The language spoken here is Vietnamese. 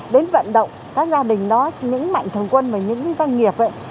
đến vận động các gia đình đó những mạnh thường quân và những doanh nghiệp ấy